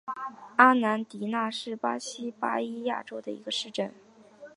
阿马迪纳是巴西巴伊亚州的一个市镇。